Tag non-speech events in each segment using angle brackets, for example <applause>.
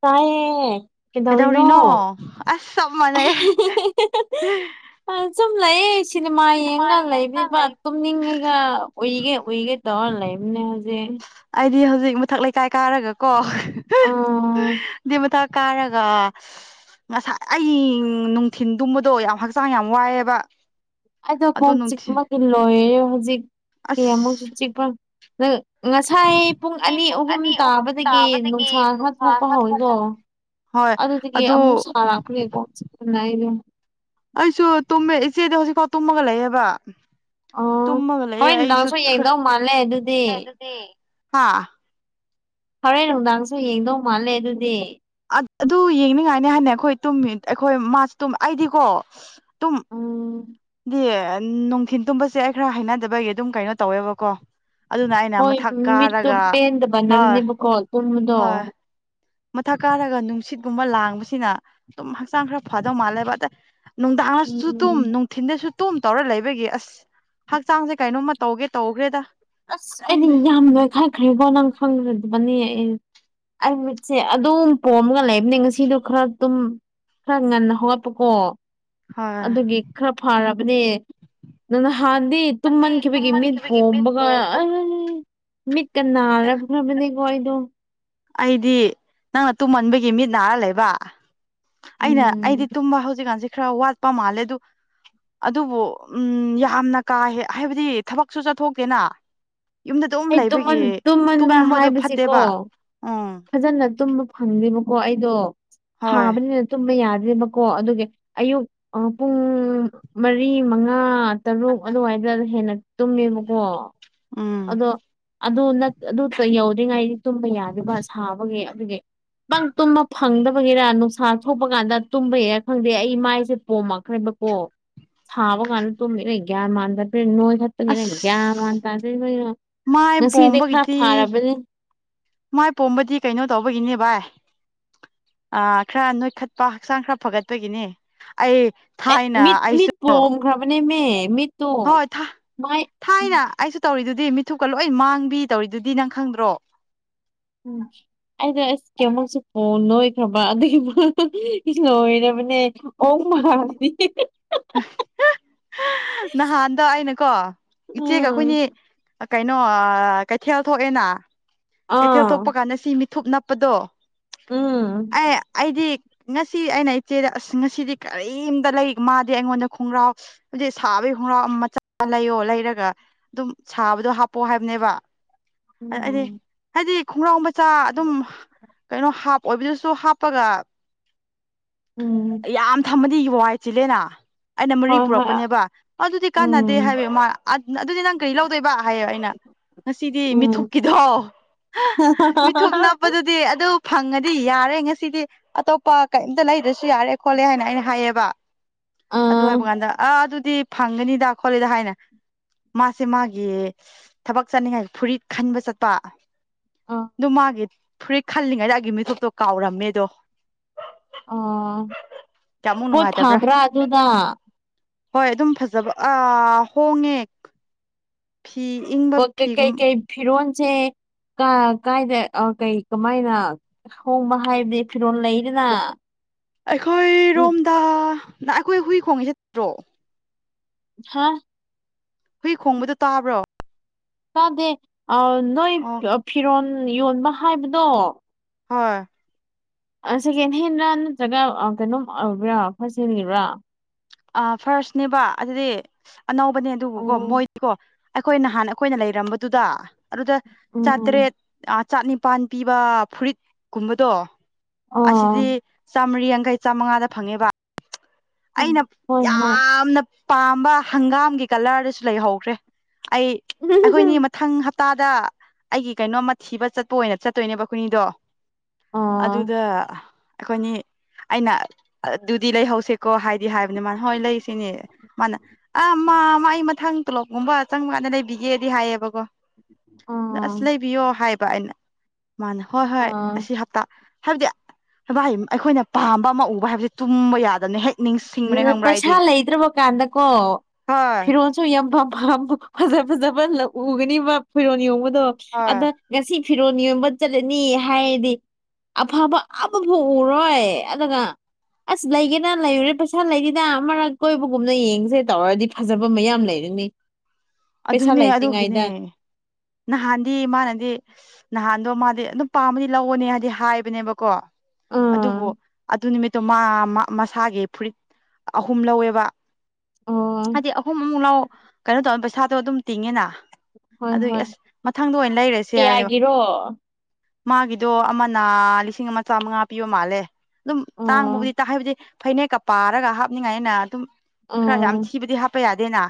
ꯇꯥꯏꯌꯦ ꯀꯩꯗꯧꯔꯤꯅꯣ ꯑꯁ ꯆꯞ ꯃꯥꯟꯅꯩ ꯑꯥ ꯁꯨꯝ ꯂꯩꯌꯦ ꯁꯤꯅꯦꯃꯥ ꯌꯦꯡꯉ ꯂꯩꯕꯤꯕ ꯑꯗꯨ ꯎꯨꯢꯅꯤꯉꯒ ꯎꯏꯒꯦ ꯎꯢꯒꯦ ꯇꯧꯔ ꯂꯩꯕꯅꯦ ꯍꯧꯖꯤꯛ ꯑꯩꯗꯤ ꯍꯧꯖꯤꯛ ꯃꯊꯛ ꯂꯩꯀꯥꯏ ꯀꯥꯔꯒꯀꯣ ꯑꯥ ꯑꯗꯨꯗꯤ ꯃꯊꯛ ꯀꯥꯔꯒ ꯉꯁꯥꯏ ꯑꯩ ꯅꯨꯡꯊꯤꯟ ꯇꯨꯝꯕꯗꯣ ꯌꯥꯝ ꯍꯛꯆꯥꯡ ꯌꯥꯝ ꯋꯥꯏꯌꯦꯕ ꯑꯩꯗꯣ ꯀꯣꯛ ꯆꯤꯛꯄꯗꯤ ꯂꯣꯏꯔꯦ ꯍꯧꯖꯤꯛ ꯀꯤ ꯑꯃꯨꯛꯁꯨ ꯑꯁ ꯆꯤꯛꯄ ꯅꯪ ꯉꯁꯥꯏ ꯄꯨꯡ ꯑꯅꯤ ꯑꯍꯨꯝ ꯇꯥꯕꯗꯒꯤ ꯅꯨꯡꯁꯥ ꯈꯔ ꯊꯣꯛꯄ ꯍꯧꯋꯤꯀꯣ ꯍꯣꯏ ꯑꯗꯨꯗꯒꯤ ꯑꯗꯨ ꯑꯃꯨꯛ ꯁꯥꯔꯛꯄꯒꯤ ꯀꯣꯛ ꯆꯤꯠꯄꯅ ꯑꯩꯗꯣ ꯑꯩꯁꯨ ꯇꯨꯝꯃꯦ ꯏꯆꯦꯗꯤ ꯍꯧꯖꯤꯛꯐꯥꯎ ꯇꯨꯝꯃꯒ ꯂꯩꯌꯦꯕ ꯑꯣ ꯇꯨꯝꯃꯒ ꯂꯩꯌꯦ ꯍꯣꯔꯦꯟ ꯑꯩꯁꯨ ꯅꯨꯡꯗꯥꯡꯁꯨ ꯈꯔ ꯌꯦꯡꯗꯧ ꯃꯥꯜꯂꯦ ꯑꯗꯨꯗꯤ <unintelligible> ꯑꯗꯨꯗꯤ ꯍꯥ ꯍꯣꯔꯦꯟ ꯅꯨꯡꯗꯥꯡꯁꯨ ꯌꯦꯡꯗꯧ ꯃꯥꯜꯂꯦ ꯑꯗꯨꯗꯤ ꯑꯗ ꯑꯗꯨ ꯌꯦꯡꯅꯤꯡꯉꯥꯏꯅꯤ ꯍꯥꯏꯅꯦ ꯑꯩꯈꯣꯏ ꯇꯨꯝꯃꯤ ꯑꯩꯈꯣꯏ ꯃꯥꯁꯨ ꯇꯨꯝ ꯑꯩꯗꯤꯀꯣ ꯇꯨꯝ ꯎꯝ ꯗꯤ ꯅꯨꯡꯊꯤꯟ ꯇꯨꯝꯕꯁꯦ ꯑꯩ ꯈꯔ ꯍꯩꯅꯗꯕꯒꯤ ꯑꯗꯨꯝ ꯀꯩꯅꯣ ꯇꯧꯋꯦꯕꯀꯣ ꯑꯗꯨꯅ ꯑꯩꯅ ꯍꯣꯏ ꯃꯊꯛ ꯃꯤꯠꯇꯨ ꯀꯥꯔꯒ ꯍꯣꯏ ꯄꯦꯟꯗꯕꯅꯅꯦꯕꯀꯣ ꯇꯨꯝꯕꯗꯣ ꯍꯣꯏ ꯃꯊꯛ ꯀꯥꯔꯒ ꯅꯨꯡꯁꯤꯠꯀꯨꯝꯕ ꯂꯥꯡꯕꯁꯤꯅ ꯑꯗꯨꯝ ꯍꯛꯆꯥꯡ ꯈꯔ ꯐꯗꯧ ꯃꯥꯜꯂꯦꯕ ꯑꯗ ꯅꯨꯡꯗꯥꯡꯗꯁꯨ ꯇꯨꯝ ꯎꯝ ꯅꯨꯡ ꯊꯤꯟꯗꯁꯨ ꯇꯨꯝ ꯇꯧꯔ ꯂꯩꯕꯒꯤ ꯑꯁ ꯍꯛꯆꯥꯡꯁꯦ ꯀꯩꯅꯣꯝꯃ ꯇꯧꯒꯦ ꯇꯧꯈ꯭ꯔꯦꯗ ꯑꯁ ꯑꯩꯗꯤ ꯈꯪꯗꯦ ꯌꯥꯝ ꯅꯣꯢꯈꯠꯈ꯭ꯔꯦꯕꯣ ꯅꯪ ꯈꯪꯗ꯭ꯔꯗꯕꯅꯦ ꯑꯩ ꯑꯩ ꯃꯤꯠꯁꯦ ꯑꯗꯨꯝ ꯄꯣꯝꯃꯒ ꯂꯩꯕꯅꯦ ꯉꯁꯤꯗꯣ ꯈꯔ ꯇꯨꯝ ꯈꯔ ꯉꯟꯅ ꯍꯧꯒꯠꯄꯀꯣ ꯍꯣꯏ ꯑꯗꯨꯒꯤ ꯈꯔ ꯐꯔꯕꯅꯦ ꯅꯪ ꯅꯍꯥꯟꯗꯤ ꯇꯨꯝꯃꯟꯈꯤꯕꯒꯤ ꯃꯤꯠ ꯄꯣꯝꯃꯒ <unintelligible> ꯃꯤꯠꯀ ꯅꯥꯔꯛꯈ꯭ꯔꯕꯅꯤꯀꯣ ꯑꯩꯗꯣ ꯑꯩꯗꯤ ꯅꯪꯅ ꯇꯨꯝꯃꯟꯕꯒꯤ ꯃꯤꯠ ꯅꯥꯔ ꯂꯩꯕ ꯑꯩꯅ ꯎꯝ ꯑꯩꯗꯤ ꯇꯨꯝꯕ ꯍꯧꯖꯤꯛꯀꯥꯟꯁꯦ ꯈꯔ ꯋꯥꯠꯄ ꯃꯥꯜꯂꯦ ꯑꯗꯨ ꯑꯗꯨꯕꯨ ꯎꯝ ꯌꯥꯝꯅ ꯀꯥꯍꯦ ꯍꯥꯏꯕꯗꯤ ꯊꯕꯛꯁꯨ ꯆꯠꯊꯣꯛꯇꯦꯅ ꯌꯨꯝꯗ ꯑꯗꯨꯝ ꯑꯩ ꯇꯨꯝꯃꯟ ꯂꯩꯕꯒꯤ ꯇꯨꯝꯃꯟꯕ ꯇꯨꯝꯕꯗꯣ ꯍꯥꯏꯕꯁꯤꯀꯣ ꯐꯠꯇꯦꯕ ꯎꯝ ꯐꯖꯅ ꯇꯨꯝꯕ ꯐꯪꯗꯦꯕꯀꯣ ꯑꯩꯗꯣ ꯍꯣꯏ ꯁꯥꯕꯅꯤꯅ ꯇꯨꯝꯕ ꯌꯥꯗ꯭ꯔꯦꯕꯀꯣ ꯑꯗꯨꯒꯤ ꯑꯌꯨꯛ ꯑꯥ ꯄꯨꯡ ꯃꯔꯤ ꯃꯉꯥ ꯇꯔꯨꯛ ꯑꯗꯨꯋꯥꯏꯗ ꯍꯦꯟꯅ ꯇꯨꯝꯃꯦꯕꯀꯣ ꯎꯝ ꯑꯗꯣ ꯑꯗꯨ ꯅꯠ ꯑꯗꯨꯗꯣ ꯌꯧꯗ꯭ꯔꯤꯉꯩꯗꯤ ꯇꯨꯝꯕ ꯌꯥꯗꯦꯕ ꯁꯥꯕꯒꯤ ꯑꯗꯨꯒꯤ ꯄꯪ ꯇꯨꯝꯕ ꯐꯪꯗꯕꯒꯤꯔꯥ ꯅꯨꯡꯁꯥ ꯊꯣꯛꯄ ꯀꯥꯟꯗ ꯇꯨꯝꯕꯒꯤꯔ ꯈꯪꯗꯦ ꯑꯩ ꯃꯥꯏꯁꯦ ꯄꯣꯝꯃꯛꯈ꯭ꯔꯦꯕ ꯀꯣ ꯁꯥꯕ ꯀꯥꯟꯗ ꯇꯨꯝꯃꯤꯔ ꯒ꯭ꯌꯥꯟ ꯃꯥꯟ ꯇꯥꯗ꯭ꯔꯦ ꯅꯣꯏꯈꯠꯄꯒꯤꯔꯥ ꯒ꯭ꯌꯥꯟ ꯑꯁ ꯃꯥꯟ ꯇꯥ ꯗ꯭ꯔꯤꯕꯩꯔꯥ ꯃꯥꯏ ꯉꯁꯤꯗꯤ ꯈꯔ ꯄꯣꯝꯕꯒꯤꯗꯤ ꯐꯥꯔꯕꯅꯤ ꯃꯥꯏ ꯄꯣꯝꯕꯗꯤ ꯀꯩꯅꯣ ꯇꯧꯕꯒꯤꯅꯦ ꯚꯥꯏ ꯑꯥ ꯈꯔ ꯅꯣꯏꯈꯠꯄ ꯍꯛꯆꯥꯡ ꯈꯔ ꯐꯒꯠꯄꯒꯤꯅꯦ ꯑꯩ ꯑꯩ ꯊꯥꯏꯅ ꯃꯤꯠ ꯑꯩꯁꯨ ꯃꯤꯠ ꯄꯣꯝꯈ꯭ꯔꯕꯅꯦꯃꯦ ꯃꯤꯠꯇꯣ ꯍꯣꯏ ꯊꯥ ꯃꯥꯏ ꯎꯝ ꯊꯥꯏꯅ ꯑꯩꯁꯨ ꯇꯧꯔꯤꯗꯨꯗꯤ ꯃꯤꯠꯊꯨꯞꯀ ꯂꯣꯏ ꯃꯥꯡꯕꯤ ꯇꯧꯔꯤꯗꯨꯗꯤ ꯅꯪ ꯈꯪꯗ꯭ꯔꯣ ꯎꯝ ꯑꯩꯅ ꯑꯁ ꯀꯌꯥꯃꯛꯁꯨ ꯄꯣ ꯅꯣꯏꯈ꯭ꯔꯕ ꯑꯗꯨꯒꯤꯕꯨ <unintelligible> ꯂꯣꯏꯔꯕꯅꯦ ꯑꯣꯛ ꯃꯥꯜꯂꯤ ꯍꯤ ꯍꯤ ꯅꯍꯥꯟꯗꯣ ꯑꯩꯅꯀꯣ ꯏꯆꯦꯒ ꯑꯩꯈꯣꯏꯅꯤ ꯎꯝ ꯑꯥ ꯀꯩꯅꯣ ꯑꯥ ꯀꯩꯊꯦꯜ ꯊꯣꯛꯑꯦꯅ ꯀꯩꯊꯦꯜ ꯊꯣꯛꯄ ꯑꯥ ꯀꯥꯟꯗ ꯁꯤ ꯃꯤꯊꯨꯞ ꯅꯞꯄꯗꯣ ꯎꯝ ꯑꯩ ꯑꯩꯗꯤ ꯉꯁꯤ ꯑꯩꯅ ꯏꯆꯦꯗ ꯑꯁ ꯉꯁꯤꯗꯤ ꯀꯔꯤꯝꯇ ꯂꯩ ꯃꯥꯗꯤ ꯑꯩꯉꯣꯟꯗ ꯈꯣꯡꯒ꯭ꯔꯥꯎ ꯍꯧꯖꯤꯛ ꯁꯥꯕꯒꯤ ꯈꯣꯡꯒ꯭ꯔꯥꯎ ꯑꯃ ꯃꯆꯥ ꯂꯩꯌꯣ ꯂꯩꯔꯒ ꯑꯗꯨꯝ ꯁꯥꯕꯗꯣ ꯍꯥꯞꯄꯣ ꯍꯥꯏꯕꯅꯦꯕ ꯑꯩ ꯑꯩꯗꯤ ꯎꯝ ꯍꯥꯏꯗꯤ ꯈꯣꯡꯒ꯭ꯔꯥꯎ ꯃꯆꯥ ꯑꯗꯨꯝ ꯀꯩꯅꯣ ꯍꯥꯞ ꯑꯣꯏꯕꯗꯨꯁꯨ ꯍꯥꯞꯄꯒ <inaudible> ꯎꯝ ꯌꯥꯝ ꯊꯝꯃꯗꯤ ꯋꯥꯏ ꯆꯤꯂꯦꯅꯥ ꯑꯩꯅ ꯃꯔꯤ ꯍꯣꯏ ꯍꯣꯏ ꯑ ꯄꯨꯔꯛꯄꯅꯦꯕ ꯑꯗꯨꯗꯤ ꯀꯥꯟꯅꯗꯦ ꯎꯝ ꯍꯥꯏꯕꯩ ꯃꯥ ꯑꯗ ꯑꯗꯨꯗꯤ ꯅꯪ ꯀꯔꯤ ꯂꯧꯗꯣꯏꯕ ꯍꯥꯏꯌꯦ ꯑꯩꯅ ꯉꯁꯤꯗꯤ ꯃꯤꯠ ꯎꯝ ꯊꯨꯞꯀꯤꯗꯣ ꯃꯤꯊꯨꯞ ꯅꯞꯄꯗꯨꯗꯤ ꯑꯗꯨ ꯐꯪꯉꯗꯤ ꯌꯥꯔꯦ ꯉꯁꯤꯗꯤ ꯑꯇꯣꯞꯄ ꯀꯩꯝꯗ ꯂꯩꯗ꯭ꯔꯁꯨ ꯌꯥꯔꯦ ꯈꯣꯠꯂꯦ ꯍꯥꯏꯅ ꯑꯩꯅ ꯍꯥꯏꯌꯦꯕ ꯑꯗꯨ ꯑꯥ ꯍꯥꯏꯕ ꯀꯥꯟꯗ ꯑꯥ ꯑꯗꯨꯗꯤ ꯐꯪꯒꯅꯤꯗ ꯈꯣꯠꯂꯤꯗ ꯍꯥꯏꯅ ꯃꯥꯁꯦ ꯃꯥꯒꯤ ꯊꯕꯛ ꯆꯠꯅꯤꯡꯉꯥꯏ ꯐꯨꯔꯤꯠ ꯈꯟꯕ ꯆꯠꯄ ꯑꯥ ꯑꯗꯨ ꯃꯥꯒꯤ ꯐꯨꯔꯤꯠ ꯈꯜꯂꯤꯉꯩꯗ ꯑꯩꯒꯤ ꯃꯤꯊꯨꯞꯇꯣ ꯀꯥꯎꯔꯝꯃꯦꯗꯣ ꯑꯥ ꯀꯌꯥꯃꯨꯛ ꯄꯣꯠ ꯅꯨꯡꯉꯥꯏꯇꯕ꯭ꯔꯥ ꯊꯥꯕ꯭ꯔꯥ ꯑꯗꯨꯗ ꯍꯣꯏ ꯑꯗꯨꯝ ꯐꯖꯕ ꯑꯥ ꯍꯣꯡꯉꯦ ꯐꯤ ꯏꯪ ꯄꯣ ꯀꯩ ꯀꯩ ꯀꯩ ꯐꯤꯔꯣꯟꯁꯦ ꯀꯥ ꯀꯥꯏꯗ ꯑꯥ ꯀꯩ ꯀꯃꯥꯏꯅ ꯍꯣꯡꯕ ꯍꯥꯏꯕꯗꯤ ꯐꯤꯔꯣꯟ ꯂꯩꯗꯅ ꯑꯩꯈꯣꯏ ꯎꯝ ꯔꯣꯝꯗ ꯅꯪ ꯑꯩꯈꯣꯏ ꯍꯨꯏ ꯈꯣꯡꯉꯤꯁꯦ ꯇ꯭ꯔꯣ ꯍꯥ ꯍꯨꯏ ꯈꯣꯡꯕꯗꯣ ꯇꯥꯕ꯭ꯔꯣ ꯇꯥꯗꯦ ꯑꯥ ꯅꯣꯏ ꯑꯣ ꯐꯤꯔꯣꯟ ꯌꯣꯟꯕ ꯍꯥꯏꯕꯗꯣ ꯍꯣꯏ ꯑꯥ ꯁꯦꯀꯦꯟ ꯍꯦꯟꯔꯥ ꯅꯠꯇ꯭ꯔꯒ ꯑꯥ ꯀꯩꯅꯣꯝ ꯑꯣꯏꯕ꯭ꯔꯥ ꯐꯥꯁ ꯍꯦꯟꯒꯤꯔꯥ ꯑ ꯐꯥꯔꯁꯅꯦꯕ ꯑꯗꯨꯗꯤ ꯑꯅꯧꯕꯅꯦ ꯑꯗꯨꯕꯨꯀꯣ ꯑꯣ ꯃꯣꯏꯗꯤꯀꯣ ꯑꯩꯈꯣꯏ ꯅꯍꯥꯟ ꯑꯩꯈꯣꯏꯅ ꯂꯩꯔꯝꯕꯗꯨꯗ ꯑꯗꯨꯗ ꯎꯝ ꯆꯥꯇ꯭ꯔꯦꯠ ꯑ ꯆꯥꯛꯅꯤꯄꯥꯥꯟ ꯄꯤꯕ ꯐꯨꯔꯤꯠꯀꯨꯝꯕꯗꯣ ꯑ ꯑꯁꯤꯗꯤ ꯆꯥ ꯃꯔꯤ ꯌꯥꯡꯈꯩ ꯆꯥꯝꯃꯉꯥꯗ ꯐꯪꯉꯦꯕ ꯑꯩꯅ ꯍꯣꯏ ꯍꯣꯏ ꯌꯥꯝꯅ ꯄꯥꯝꯕ ꯍꯪꯒꯥꯝꯒꯤ ꯀꯂꯔꯗꯁꯨ ꯂꯩꯍꯧꯈ꯭ꯔꯦ ꯑꯩ ꯑꯩꯈꯣꯏꯅꯤ ꯃꯊꯪ ꯍꯞ ꯇꯥꯗ ꯑꯩꯒꯤ ꯀꯩꯅꯣꯝꯃ ꯊꯤꯕ ꯆꯠꯄ ꯑꯣꯏꯅ ꯆꯠꯇꯣꯏꯅꯦꯕ ꯑꯈꯣꯏꯅꯤꯗꯣ ꯑ ꯑꯗꯨꯗ ꯑꯩꯈꯣꯏꯅꯤ ꯑꯩꯅ ꯑꯗꯨꯗꯤ ꯂꯩꯍꯧꯁꯦ ꯀꯣ ꯍꯥꯏꯗꯤ ꯍꯥꯏꯕꯅꯦ ꯃꯥ ꯍꯣꯏ ꯂꯩꯁꯦꯅꯦ ꯃꯥꯅ ꯑꯥ ꯃꯥ ꯃꯥꯏ ꯃꯊꯪ ꯇꯣꯂꯣꯞ ꯒꯨꯝꯕ ꯆꯪꯕꯀꯥꯟꯗ ꯂꯩꯕꯤꯒꯦꯗꯤ ꯍꯥꯏꯌꯦꯕꯀꯣ ꯑ ꯑꯗꯥ ꯑꯁ ꯂꯩꯕꯤꯌꯣ ꯍꯥꯏ ꯕ ꯑꯩꯅ ꯃꯥꯅ ꯍꯣꯏ ꯑ ꯍꯣꯏ ꯑꯁꯤ ꯍꯞ ꯇ ꯍꯥꯏꯕꯗꯤ ꯚꯥꯏ ꯑꯩꯈꯣꯏꯅ ꯄꯥꯝꯕ ꯑꯃ ꯎꯕ ꯍꯥꯏꯕꯁꯦ ꯇꯨꯝꯕ ꯌꯥꯗꯕꯅꯦ ꯍꯦꯛ ꯅꯤꯡꯁꯤꯡꯕꯅꯦ ꯗꯨꯅꯦ ꯈꯪꯕ꯭ꯔꯥ ꯄꯩꯁꯥ ꯑꯩꯗꯤ ꯂꯩꯇ꯭ꯔꯥꯕ ꯀꯥꯟꯗꯀꯣ ꯍꯣꯏ ꯐꯤꯔꯣꯟꯁ ꯁꯨ ꯌꯥꯝ ꯐ ꯐ ꯐꯖ ꯐꯖꯕ ꯎꯒꯅꯤꯕ ꯐꯤꯔꯣꯟ ꯌꯣꯟꯕꯗꯣ ꯍꯣꯏ ꯑꯗꯣ ꯉꯁꯤ ꯐꯤꯔꯣꯟ ꯌꯣꯟꯕ ꯆꯠꯂꯅꯤ ꯍꯥꯏꯔꯗꯤ ꯑꯐꯕ ꯑꯃꯐꯥꯎ ꯎꯔꯣꯏ ꯑꯗꯨꯒ ꯑꯁ ꯂꯩꯒꯦꯔ ꯂꯩꯔꯣꯢꯔ ꯄꯩ ꯄꯩꯁꯥ ꯂꯩꯔꯤꯗ ꯑꯃꯔꯛ ꯀꯣꯏꯕꯒꯨꯝꯅ ꯌꯦꯡꯁꯦ ꯇꯧꯔꯗꯤ ꯐꯖꯕ ꯃꯌꯥꯝ ꯂꯩꯔꯅꯤ ꯄꯩꯁꯥ ꯑꯗꯨꯅꯦ ꯑꯗꯨꯒꯤꯅꯦ ꯂꯩꯇ꯭ꯔꯤꯉꯩꯗ ꯅꯍꯥꯟꯗꯤ ꯃꯥꯅꯗꯤ ꯅꯍꯥꯟꯗꯣ ꯃꯥꯗꯤ ꯑꯗꯨꯝ ꯄꯥꯝꯃꯗꯤ ꯂꯧꯑꯣꯅꯦ ꯍꯥꯏꯗꯤ ꯍꯥꯏꯕꯅꯦꯕꯀꯣ ꯑꯗꯨꯕꯨ ꯎꯝ ꯑꯗꯨ ꯅꯨꯃꯤꯠꯇꯣ ꯃꯥ ꯃꯁꯥꯒꯤ ꯐꯨꯔꯤꯠ ꯑꯍꯨꯝ ꯂꯧꯋꯦꯕ ꯑꯣ ꯍꯥꯏꯗꯤ ꯑꯍꯨꯝ ꯑꯃꯨꯛ ꯂꯧ ꯀꯩꯅꯣ ꯇꯧ ꯄꯩꯁꯥꯗꯣ ꯑꯗꯨꯝ ꯇꯤꯡꯉꯦꯅ ꯍꯣꯏ ꯑꯗꯨꯒꯤ ꯍꯣꯏ ꯑꯁ ꯃꯊꯪꯗ ꯑꯣꯏꯅ ꯂꯩꯔꯁꯦ ꯍꯥꯏꯌꯣ ꯀꯌꯥꯒꯤꯔꯣ ꯃꯥꯒꯤꯗꯣ ꯑꯃꯅ ꯂꯤꯁꯤꯡ ꯑꯃ ꯆꯥꯝꯃꯉꯥ ꯄꯤꯕ ꯃꯥꯜꯂꯦ ꯑꯗꯨꯝ ꯑꯣ ꯇꯥꯡꯕꯕꯨꯗꯤ ꯇ ꯍꯥꯏꯕꯗꯤ ꯐꯅꯦꯛꯀ ꯄꯥꯔꯒ ꯍꯥꯞꯅꯤꯡꯉꯥꯏꯅ ꯑꯗꯨꯝ ꯈꯔ ꯌꯥꯝ ꯑꯣ ꯊꯤꯕꯗꯤ ꯍꯥꯞꯄ ꯌꯥꯗꯦꯅ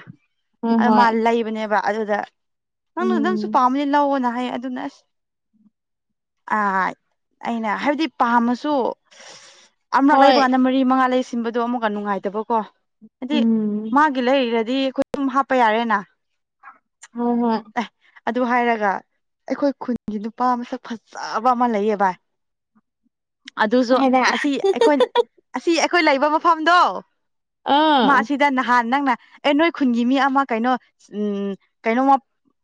ꯍꯣꯏ ꯑꯗꯨ ꯃꯥ ꯍꯣꯏ ꯂꯩꯕꯅꯦꯕ ꯑꯗꯨꯗ ꯅꯪꯅ ꯅꯪꯁꯨ ꯎꯝ ꯄꯥꯝꯃꯗꯤ ꯂꯧꯌꯣꯅ ꯍꯥꯏꯌꯦ ꯑꯗꯨꯅ ꯑꯁ ꯑ ꯑꯩꯅ ꯍꯥꯏꯕꯗꯤ ꯄꯥꯝꯃꯁꯨ ꯑꯃꯔꯛ ꯂꯩꯕ ꯍꯣꯏ ꯀꯥꯟꯗ ꯃꯔꯤ ꯃꯉꯥ ꯂꯩꯁꯤꯟꯕꯗꯣ ꯑꯃꯨꯛꯀ ꯅꯨꯡꯉꯥꯏꯇꯕꯀꯣ ꯍꯥꯏꯗꯤ ꯃꯥ ꯎꯝ ꯒꯤ ꯂꯩꯔꯗꯤ ꯑꯈꯣꯏ ꯑꯗꯨꯝ ꯍꯥꯞꯄ ꯌꯥꯔꯦꯅ ꯍꯣꯏ ꯍꯣꯏ ꯑꯦ ꯑꯗꯨ ꯍꯥꯏꯔꯒ ꯑꯩꯈꯣꯏ ꯈꯨꯟꯒꯤ ꯅꯨꯄꯥ ꯃꯁꯛ ꯐꯖꯕ ꯑꯃ ꯂꯩꯌꯦ ꯕ ꯑꯗꯨꯁꯨ ꯍꯥꯏꯗ ꯑꯁꯤ ꯑꯩꯈꯣꯏ ꯑꯁꯤ ꯑꯩꯈꯣꯏ ꯂꯩꯕ ꯃꯐꯝꯗꯣ ꯑꯥ ꯃꯥꯁꯤ ꯗ ꯅꯍꯥꯟ ꯅꯪꯅ ꯑꯦ ꯅꯣꯏ ꯈꯨꯟꯒꯤ ꯃꯤ ꯑꯃ ꯀꯩꯅꯣ ꯎꯝ ꯀꯩꯅꯣꯝꯃ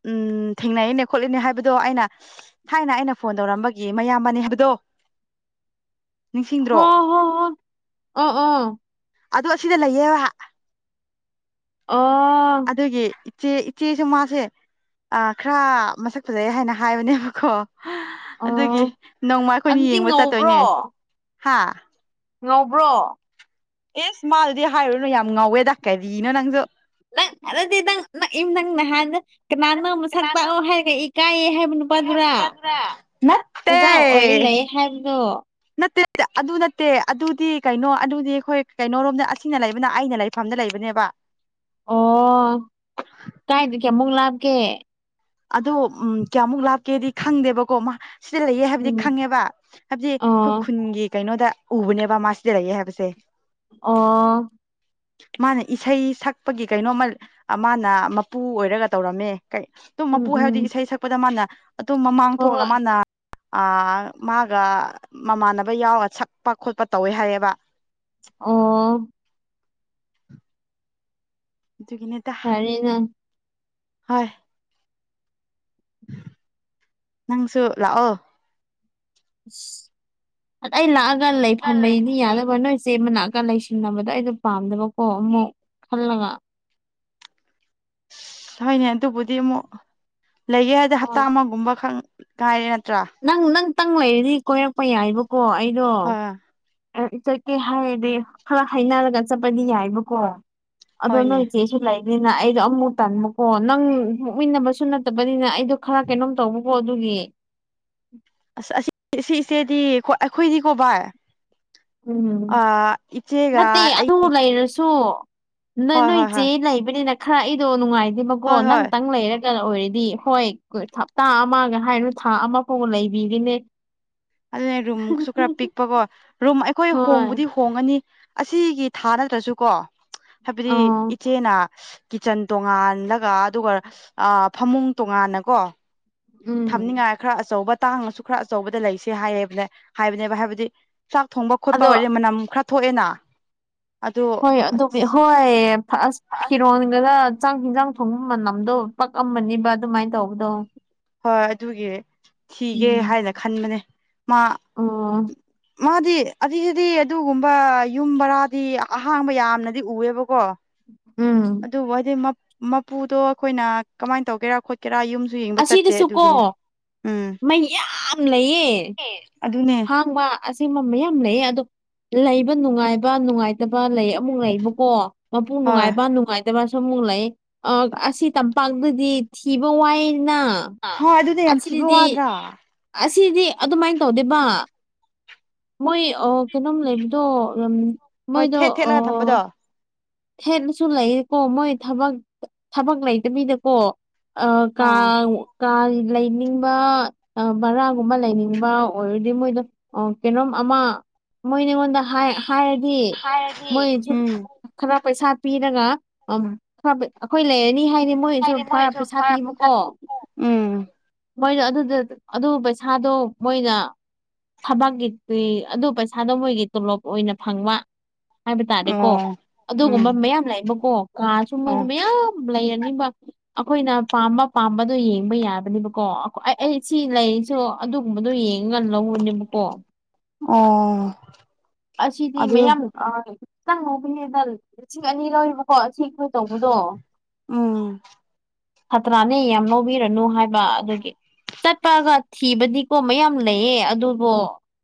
ꯎꯝ ꯊꯦꯡꯅꯩꯅꯦ ꯈꯣꯠꯂꯦꯅꯦ ꯍꯥꯏꯕꯗꯣ ꯑꯩꯅ ꯊꯥꯏꯅ ꯑꯩꯅ ꯐꯣꯟ ꯇꯧꯔꯝꯕꯒꯤ ꯃꯌꯥꯝꯕꯅꯦ ꯍꯥꯏꯕꯗꯣ ꯅꯤꯡꯁꯤꯡꯗ꯭ꯔꯣ ꯍꯣ ꯍꯣ ꯍꯣ ꯑꯑꯥ ꯑꯗꯨ ꯑꯁꯤꯗ ꯂꯩꯌꯦ ꯑꯣ ꯑꯗꯨꯒꯤ ꯏꯆꯦ ꯏꯆꯦꯁꯨ ꯃꯥꯁꯦ ꯑ ꯈꯔ ꯃꯁꯛ ꯐꯖꯩ ꯍꯥꯏꯅ ꯍꯥꯏꯕꯅꯦꯕꯀꯣ ꯑꯗꯨꯒꯤ ꯑꯣ ꯅꯣꯡꯃ ꯑꯩꯈꯣꯏꯅꯤ ꯑꯗꯨꯗꯤ ꯌꯦꯡꯕ ꯉꯧꯕ꯭ꯔꯣ ꯆꯠꯇꯣꯏꯅꯦ ꯍꯥ ꯉꯧꯕ꯭ꯔꯣ ꯏꯁ ꯃꯥꯗꯗꯤ ꯍꯥꯏꯔꯨꯅꯨ ꯌꯥꯝ ꯉꯥꯎꯋꯦ ꯗ ꯀꯔꯤꯅꯣ ꯅꯪꯁꯨ ꯅꯪ ꯑꯗꯨꯗꯤ ꯅꯪ ꯅꯪ ꯏ ꯅꯪ ꯅꯍꯥꯟꯗ ꯀꯅꯥꯅꯣ ꯃꯁꯛ ꯇꯥꯛꯑꯣ ꯍꯥꯏꯔꯛꯢ ꯀꯥꯏꯌꯦ ꯍꯥꯏꯕ ꯅꯨꯄꯥꯗꯨꯔꯥ ꯅꯠꯇꯦ ꯑꯣꯖꯥ ꯑꯣꯏ ꯂꯩ ꯍꯥꯏꯕꯗꯣ ꯅꯠꯇꯦ ꯑꯗꯨ ꯅꯠꯇꯦ ꯑꯗꯨꯗꯤ ꯀꯩꯅꯣ ꯑꯗꯨꯗꯤ ꯑꯩꯈꯣꯏ ꯀꯩꯅꯣꯔꯣꯝꯗ ꯑꯁꯤꯅ ꯂꯩꯕꯅ ꯑꯩꯅ ꯂꯩ ꯐꯝꯗ ꯂꯩꯕꯅꯦꯕ ꯑꯣ ꯀꯥꯏꯗꯒꯤ ꯑꯃꯨꯛ ꯂꯥꯞꯀꯦ ꯑꯗꯣ ꯎꯝ ꯀꯌꯥꯃꯨꯛ ꯂꯥꯞꯀꯦꯗꯤ ꯈꯪꯗꯦꯕꯀꯣ ꯃꯥ ꯁꯤꯗ ꯂꯩꯌꯦ ꯍꯥꯏꯕꯗꯤ ꯎꯝ ꯈꯪꯉꯦꯕ ꯍꯥꯏꯕꯗꯤ ꯑꯈꯣꯏ ꯑꯣ ꯈꯨꯟꯒꯤ ꯀꯩꯅꯣꯗ ꯎꯕꯅꯦꯕ ꯃꯥ ꯁꯤꯗ ꯂꯩꯌꯦ ꯍꯥꯏꯕꯁꯦ ꯑꯣ ꯃꯥꯅ ꯏꯁꯩ ꯁꯛꯄꯒꯤ ꯀꯩꯅꯣꯝꯃ ꯑ ꯃꯥꯅ ꯃꯄꯨ ꯑꯣꯏꯔꯒ ꯇꯧꯔꯝꯃꯦ ꯀꯩ ꯗꯨꯝ ꯎꯝ ꯃꯄꯨ ꯍꯥꯏꯕꯗꯤ ꯎꯝ ꯏꯁꯩ ꯁꯛꯄꯗ ꯃꯥꯅ ꯑꯗꯨꯝ ꯃꯃꯥꯡ ꯍꯣꯏ ꯊꯣꯛꯑꯒ ꯍꯣꯏ ꯃꯥꯅ ꯑ ꯃꯥꯒ ꯃꯃꯥꯟꯅꯕ ꯌꯥꯎꯔ ꯁꯛꯄ ꯈꯣꯠꯄ ꯇꯧꯋꯦ ꯍꯥꯏꯌꯦꯕ ꯑꯣ ꯑꯗꯨꯒꯤꯅꯤꯗ ꯐꯔꯦꯅ ꯍꯣꯢ ꯅꯪꯁꯨ ꯂꯥꯛꯑꯣ ꯑꯩ ꯂꯥꯛꯑꯒ ꯂꯩꯐꯝ ꯂꯩꯅꯤ ꯌꯥꯗꯕ ꯅꯣꯏ ꯃꯅꯛꯇ ꯂꯩꯁꯤꯟꯅꯕꯗꯣ ꯑꯩꯗꯣ ꯄꯥꯝꯗꯕꯀꯣ ꯃꯨꯛ ꯈꯜꯂꯒ ꯍꯣꯏꯅꯦ ꯑꯗꯨꯕꯨꯗꯤ ꯑꯃꯨꯛ ꯂꯩꯒꯦ ꯍꯥꯏꯗꯤ ꯍꯞꯇꯥ ꯍꯣꯏ ꯑꯃꯒꯨꯝꯕ ꯈꯛ ꯀꯥꯏꯔꯦ ꯅꯠꯇ꯭ꯔꯥ ꯅꯪ ꯅꯪꯇꯪ ꯂꯩꯔꯗꯤ ꯀꯣꯏꯔꯛꯄ ꯌꯥꯏꯕꯀꯣ ꯑꯩꯗꯣ ꯍꯣꯏ ꯆꯠꯀꯦ ꯍꯥꯏꯔꯗꯤ ꯈꯔ ꯍꯥꯏꯅꯔꯒ ꯆꯠꯄꯗꯤ ꯌꯥꯏꯌꯦꯕꯀꯣ ꯑꯗꯣ ꯍꯣꯏꯅꯦ ꯅꯣꯏ ꯆꯦ ꯂꯩꯅꯤꯅ ꯑꯩꯗꯣ ꯑꯃꯨꯃꯨꯛ ꯇꯟꯕꯀꯣ ꯅꯪ ꯃꯨꯛꯃꯤꯟꯅꯕꯁꯨ ꯅꯠꯇꯕꯅꯤꯅ ꯑꯩꯗꯣ ꯈꯔ ꯀꯩꯅꯣꯝ ꯇꯧ ꯑꯗꯨꯒꯤ ꯑꯁ ꯑꯁꯤ ꯁꯤ ꯏꯆꯦꯗꯤ ꯑꯈꯣꯏ ꯑꯩꯈꯣꯏꯗꯤꯀꯣ ꯚꯥꯏ ꯎꯝ ꯑ ꯏꯆꯦꯒ ꯅꯠꯇꯦ ꯑꯩ ꯑꯗꯨ ꯂꯩꯔꯁꯨ ꯅꯣꯏ ꯍꯣꯏ ꯅꯣꯏ ꯍꯣꯏ ꯆꯦ ꯍꯣꯏ ꯂꯩꯕꯅꯤꯅ ꯈꯔ ꯑꯩꯗꯣ ꯅꯨꯡꯉꯥꯏꯇꯦꯕꯀꯣ ꯍꯣꯏ ꯍꯣꯏ ꯅꯪꯇꯪ ꯂꯩꯔ ꯑꯣꯏꯔꯗꯤ ꯍꯣꯏ ꯍꯞꯇꯥ ꯑꯃꯒ ꯍꯥꯏꯔꯅꯨ ꯊꯥ ꯑꯃꯐꯥꯎꯕ ꯂꯩꯕꯤꯒꯦꯅꯦ ꯑꯗꯨꯅꯦ ꯔꯨꯝꯁꯨ ꯈꯔ ꯄꯤꯛꯄꯀꯣ ꯔꯨꯝ ꯑꯩꯈꯣꯏ ꯍꯣꯏ ꯍꯣꯡꯕꯨꯗꯤ ꯍꯣꯡꯉꯅꯤ ꯑꯁꯤꯒꯤ ꯊꯥ ꯅꯠꯇ꯭ꯔꯁꯨ ꯀꯣ ꯍꯥꯏꯕꯗꯤ ꯑꯥ ꯏꯆꯦꯅ ꯀꯤꯠꯆꯟ ꯇꯣꯉꯜꯂꯒ ꯑꯗꯨꯒ ꯐꯃꯨꯡ ꯇꯣꯉꯥꯟꯅꯀꯣ ꯎꯝ ꯊꯝꯅꯤꯡꯉꯥꯏ ꯈꯔ ꯑꯆꯧꯕ ꯇꯥꯡꯉꯁꯨ ꯈꯔ ꯑꯆꯧꯕꯗ ꯂꯩꯁꯦ ꯍꯥꯏꯌꯦꯕꯅꯦ ꯍꯥꯏꯕꯅꯦꯕ ꯍꯥꯏꯕꯗꯤ ꯆꯥꯛ ꯊꯣꯡꯕ ꯈꯣꯠꯄ ꯑꯗꯣ ꯑꯣꯏꯔꯦ ꯃꯅꯝ ꯈꯔ ꯊꯣꯛꯑꯦꯅ ꯑꯗꯨ ꯍꯣꯏ ꯑꯗꯨ ꯍꯣꯏ <unintelligible> ꯐꯤꯔꯣꯟꯒꯗ ꯆꯥꯛ ꯌꯦꯟꯖꯥꯡ ꯊꯣꯡꯕ ꯃꯅꯝꯗꯣ ꯄꯛꯑꯃꯅꯦꯕ ꯑꯗꯨꯃꯥꯏꯅ ꯇꯧꯕꯗꯣ ꯍꯣꯏ ꯑꯗꯨꯒꯤ ꯊꯤꯒꯦ ꯎꯝ ꯍꯥꯏꯅ ꯈꯟꯕꯅꯦ ꯃꯥ ꯑꯣ ꯃꯥꯗꯤ <unintelligible> ꯑꯗꯨꯒꯨꯝꯕ ꯌꯨꯝ ꯕꯔꯥꯗꯤ ꯑꯍꯥꯡꯕ ꯌꯥꯝꯅꯗꯤ ꯎꯑꯦꯕꯀꯣ ꯎꯝ ꯑꯗꯨꯕꯨ ꯍꯥꯏꯗꯤ ꯃꯄꯨꯗꯣ ꯑꯩꯈꯣꯏꯅ ꯀꯃꯥꯏꯅ ꯇꯧꯒꯦꯔ ꯑꯩꯈꯣꯏ ꯀꯦꯔꯥ ꯌꯨꯝꯁꯨ ꯌꯦꯡꯕ ꯆꯠꯇꯦ ꯑꯁꯤꯗꯁꯨ ꯀꯣ ꯑꯗꯨꯒꯤꯅꯤ ꯎꯝ ꯃꯩ ꯌꯥꯝ ꯑꯗꯨꯅꯦ ꯑꯍꯡꯕ ꯑꯁꯦꯝꯕ ꯃꯌꯥꯝ ꯂꯩ ꯑꯗꯣ ꯂꯩꯕ ꯅꯨꯡꯉꯥꯏꯕ ꯅꯨꯡꯉꯥꯏꯇꯕ ꯂꯩ ꯑꯃꯨꯛ ꯂꯩꯕꯀꯣ ꯃꯄꯨ ꯍꯣꯏ ꯅꯨꯡꯉꯥꯏꯕ ꯅꯨꯡꯉꯥꯏ ꯇꯕꯁꯨ ꯑꯃꯨꯛ ꯂꯩ ꯑ ꯑꯁꯤ ꯇꯝꯄꯥꯛꯇꯗꯤ ꯊꯤꯕ ꯋꯥꯏꯅ ꯍꯣꯏ ꯑꯗꯨꯗꯤ ꯌꯥꯝ ꯊꯤꯕ ꯑꯁꯤꯗꯗꯤ ꯋꯥꯗ꯭ꯔꯥ ꯑꯁꯤꯗꯤ ꯑꯗꯨꯃꯥꯏꯅ ꯇꯧꯗꯦ ꯕꯥ ꯃꯣꯏ ꯀꯩꯅꯣꯝ ꯂꯩꯕꯗꯣ ꯍꯣꯏ ꯃꯣꯏꯗꯣ ꯊꯦꯠ ꯑ ꯊꯦꯠꯂꯒ ꯊꯝꯕꯗꯣ ꯍꯦꯟꯅꯁꯨ ꯂꯩꯀꯣ ꯃꯣꯏ ꯊꯕꯛ ꯊꯕꯛ ꯂꯩꯇꯕꯤꯗꯀꯣ ꯑ ꯀꯥ ꯑꯥ ꯀꯥ ꯂꯩꯅꯤꯡꯕ ꯚꯔꯥꯒꯨꯝꯕ ꯂꯩꯅꯤꯡꯕ ꯑꯣꯏꯔꯗꯤ ꯃꯣꯏꯗꯣ ꯑꯣ ꯀꯩꯅꯣꯝ ꯑꯃ ꯃꯣꯏꯅꯤꯉꯣꯟꯗ ꯍꯥꯏꯔꯗꯤ ꯃꯣꯏꯁꯨ ꯎꯝ ꯈꯔ ꯄꯩꯁꯥ ꯄꯤꯔꯒ ꯑꯩꯈꯣꯏ ꯂꯩꯔꯅꯤ ꯍꯥꯏꯅꯤ ꯃꯣꯏꯁꯨ ꯈꯔ ꯄꯩꯁꯥ ꯄꯤꯕꯀꯣ ꯎꯝ ꯃꯣꯏꯅ ꯑꯗꯨꯗ ꯑꯗꯨ ꯄꯩꯁꯥꯗꯣ ꯃꯣꯏꯅ ꯊꯕꯛꯀꯤ ꯑꯗꯨ ꯄꯩꯁꯥꯗꯣ ꯃꯣꯏꯒꯤ ꯇꯣꯂꯣꯞ ꯑꯣꯏꯅ ꯐꯪꯕ ꯍꯥꯏꯕ ꯇꯥꯔꯦꯀꯣ ꯑꯣ ꯎꯝ ꯑꯗꯨꯒꯨꯝꯕ ꯃꯌꯥꯝ ꯂꯩꯕꯀꯣ ꯀꯥ ꯁꯨ ꯃꯣꯏ ꯑꯣ ꯃꯌꯥꯝ ꯂꯩꯔꯅꯤꯕ ꯑꯩꯈꯣꯏꯅ ꯄꯥꯝꯕ ꯄꯥꯝꯕꯗꯣ ꯌꯦꯡꯕ ꯌꯥꯕꯅꯤꯕ ꯀꯣ ꯑꯩ ꯑꯩ ꯁꯤ ꯂꯩꯔꯤꯁꯨ ꯑꯗꯨꯒꯨꯝꯕꯗꯣ ꯌꯦꯡꯉꯒ ꯂꯧꯕꯅꯦꯕꯀꯣ ꯑꯣ ꯑꯁꯤꯗꯤ ꯑꯗꯨ ꯃꯌꯥꯝ ꯈꯤꯇꯪꯕꯨ ꯈꯅꯦꯗ ꯂꯤꯁꯤꯡ ꯑꯅꯤ ꯂꯧꯕꯀꯣ ꯁꯤ ꯀꯣꯏ ꯇꯧꯕꯗꯣ ꯎꯝ ꯁꯥꯇ꯭ꯔꯥꯅꯤ ꯌꯥꯝ ꯂꯧꯕꯤꯔꯅꯨ ꯍꯥꯏꯕ ꯑꯗꯨꯒꯤ ꯆꯠꯄꯒ ꯊꯤꯕꯗꯤꯀꯣ ꯃꯌꯥꯝ ꯂꯩꯌꯦ ꯑꯗꯨꯕꯨ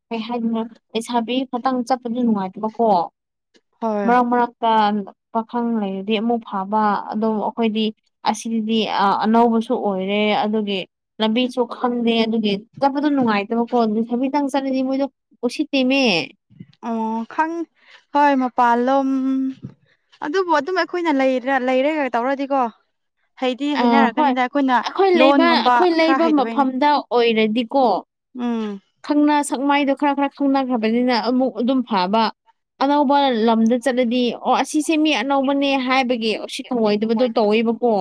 ꯀꯩ ꯍꯥꯏꯗꯨꯏꯅꯤ ꯂꯩꯁꯥꯕꯤ ꯈꯇꯪ ꯆꯠꯄꯁꯨ ꯅꯨꯡꯉꯥꯏꯇꯕꯀꯣ ꯍꯣꯏ ꯃꯔꯛ ꯃꯔꯛꯇ ꯄꯥꯈꯪ ꯂꯩꯔꯗꯤ ꯑꯃꯨꯛ ꯐꯥꯕ ꯑꯗꯨꯝ ꯑꯩꯈꯣꯏꯗꯤ ꯑꯁꯤꯗꯤ ꯑꯅꯧꯕꯁꯨ ꯑꯣꯏꯔꯦ ꯑꯗꯨꯒꯤ ꯂꯝꯕꯤꯁꯨ ꯈꯪꯗꯦ ꯑꯗꯨꯒꯤ ꯆꯠꯄꯗꯣ ꯅꯨꯡꯉꯥꯏꯇꯕꯀꯣ ꯑꯗꯨ ꯂꯩꯁꯥꯕꯤꯗꯥꯡ ꯆꯠꯂꯗꯤ ꯃꯣꯏꯗꯣ ꯎꯁꯤꯠꯇꯦꯃꯦ ꯑꯣ ꯈꯪ ꯍꯣꯏ ꯃꯄꯥꯥꯟꯂꯣꯝ ꯑꯗꯨꯕꯨ ꯑꯗꯨꯝ ꯑꯩꯈꯣꯏꯅ ꯂꯩꯔ ꯂꯩꯩꯔꯦꯒ ꯇꯧꯔꯗꯤꯀꯣ ꯍꯩꯗꯤ ꯑꯥ ꯍꯣꯏ ꯍꯩꯅꯔꯛꯀꯅꯤꯗ ꯑꯩꯈꯣꯏꯅ ꯑꯩꯈꯣꯏ ꯂꯩꯕ ꯂꯣꯟꯒꯨꯝꯕ ꯑꯩꯈꯣꯏ ꯈꯔ ꯂꯩꯕ ꯍꯩꯇꯕꯩꯅꯦ ꯃꯐꯝꯗ ꯑꯣꯏꯔꯗꯤꯀꯣ ꯎꯝ ꯈꯪꯅ ꯁꯛꯃꯥꯏꯗꯣ ꯈꯔ ꯈꯔ ꯈꯪꯅꯈ꯭ꯔꯕꯅꯤꯅ ꯑꯃꯨꯛ ꯑꯗꯨꯝ ꯐꯕ ꯑꯅꯧꯕ ꯂꯝꯗ ꯆꯠꯂꯗꯤ ꯑꯣ ꯑꯁꯤꯁꯦ ꯃꯤ ꯑꯅꯧꯕꯅꯦ ꯍꯥꯏꯕꯒꯤ ꯎꯁꯤꯠ ꯊꯧꯑꯣꯏꯗꯕꯗꯣ ꯇꯧꯋꯦꯕꯀꯣ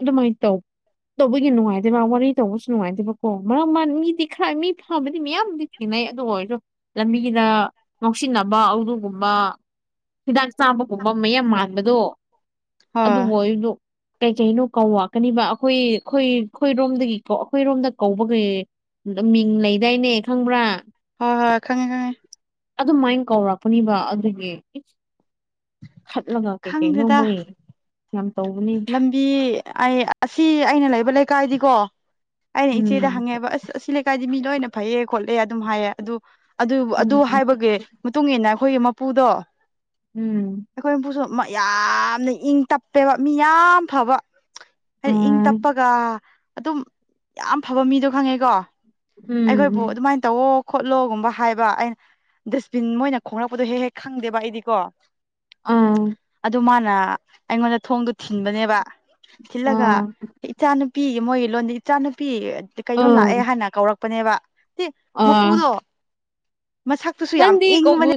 ꯑꯗꯨꯃꯥꯏꯅ ꯇꯧ ꯇꯧꯕꯒꯤ ꯅꯨꯡꯉꯥꯏꯇꯦꯕ ꯋꯥꯔꯤ ꯇꯧꯕꯁꯨ ꯅꯨꯡꯉꯥꯏꯇꯦꯕꯀꯣ ꯃꯔꯝ ꯃꯥ ꯃꯤꯗꯤ ꯈꯔ ꯃꯤ ꯐꯕꯗꯤ ꯃꯌꯥꯝꯕꯨꯗꯤ ꯊꯦꯡꯅꯩ ꯑꯗꯨ ꯑꯣꯏꯔꯖꯨ ꯂꯝꯕꯤꯗ ꯉꯧꯁꯤꯟꯅꯕ ꯑꯗꯨꯒꯨꯝꯕ ꯍꯤꯗꯥꯛ ꯆꯥꯕꯒꯨꯝꯕ ꯃꯌꯥꯝ ꯃꯥꯟꯕꯗꯣ ꯍꯣꯏ ꯑꯗꯨꯕꯨꯑꯣꯏꯖꯨ ꯀꯩ ꯀꯩꯅꯣ ꯀꯧ ꯋꯥꯥꯛꯀꯅꯤꯕ ꯑꯩꯈꯣꯏ ꯑꯩꯈꯣꯏ ꯑꯩꯈꯣꯏꯔꯣꯝꯗꯒꯤ ꯑꯩꯈꯣꯏꯔꯣꯝꯗ ꯀꯧꯕꯒꯩ ꯃꯤꯡ ꯂꯩꯗꯥꯏꯅꯦ ꯈꯪꯕ꯭ꯔꯥ ꯍꯣꯏ ꯍꯣꯏ ꯈꯪꯉꯦ ꯈꯪꯉꯦ ꯑꯗꯨꯃꯥꯏꯅ ꯀꯧꯔꯛꯄꯅꯤꯕ ꯑꯗꯨꯒꯤ ꯈꯠꯂꯒ ꯀꯩ ꯀꯩꯅꯣ ꯈꯪꯗꯦꯗ ꯃꯣꯏ ꯌꯥꯝ ꯇꯧꯕꯅꯤꯗ ꯄꯤ ꯑꯩ ꯑꯁꯤ ꯑꯩꯅ ꯂꯩꯕ ꯂꯩꯀꯥꯏꯗꯤꯀꯣ ꯑꯩꯅ ꯏꯆꯦꯗ ꯎꯝ ꯍꯪꯉꯦꯕ ꯑꯁ ꯑꯁꯤ ꯂꯩ ꯀꯥꯏꯗꯤ ꯃꯤ ꯂꯣꯏꯅ ꯐꯩꯑ ꯈꯣꯠꯂꯦ ꯑꯗꯨꯝ ꯍꯥꯏꯌꯦ ꯑꯗꯨ ꯑꯗꯨꯕꯨ ꯑꯗꯨ ꯎꯝ ꯍꯥꯏꯕꯒꯤ ꯃꯇꯨꯡ ꯏꯟꯅ ꯑꯩꯈꯣꯏꯒꯤ ꯃꯄꯨꯗꯣ ꯎꯝ ꯑꯩꯈꯣꯏ ꯃꯄꯨꯁꯨ ꯃꯌꯥꯝꯅ ꯏꯪ ꯇꯞꯄꯦꯕ ꯃꯤ ꯌꯥꯝ ꯐꯕ ꯍꯥꯏꯗꯤ ꯏꯪ ꯎꯝ ꯇꯞꯄꯒ ꯑꯗꯨꯝ ꯌꯥꯝ ꯐꯕ ꯃꯤꯗꯣ ꯈꯪꯉꯦꯀꯣ ꯑꯩꯈꯣꯏꯕꯨ ꯎꯝ ꯑꯗꯨꯃꯥꯏꯅ ꯇꯧꯋꯣ ꯈꯣꯠꯂꯣꯒꯨꯝꯕ ꯍꯥꯏꯕ ꯑꯩꯅ ꯗꯁꯕꯤꯟ ꯃꯣꯏꯅ ꯈꯣꯡꯂꯛꯄꯗꯣ ꯍꯦꯛ ꯍꯦꯛ ꯈꯪꯗꯦꯕ ꯑꯩꯗꯤꯀꯣ ꯎꯝ ꯑꯥ ꯑꯗꯨ ꯃꯥꯅ ꯑꯩꯉꯣꯟꯗ ꯊꯣꯡꯗꯣ ꯊꯤꯡꯕꯅꯦꯕ ꯊꯤꯜꯂꯒ ꯑꯥ ꯏꯆꯥꯅꯨꯄꯤ ꯃꯣꯏ ꯂꯣꯟꯗꯤ ꯏꯆꯥꯅꯨꯄꯤ ꯀꯩꯅꯣ ꯑꯥ ꯂꯥꯛꯑꯦ ꯍꯥꯏꯅ ꯀꯧꯔꯛ ꯄꯅꯦꯕ <unintelligible> ꯃꯄꯨꯗꯣ ꯃꯁꯛꯇꯨꯁꯨ ꯌꯥꯝ ꯏꯪꯕꯅꯦ